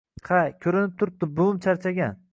Ha, koʻrinib turibdi, buvim charchagan.